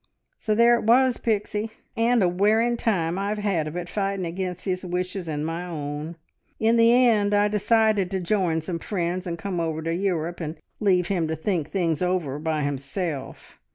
So there it was, Pixie and a wearing time I've had of it, fighting against his wishes and my own! In the end I decided to join some friends and come over to Europe, and leave him to think things over by himself.